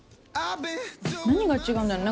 何が違うんだろう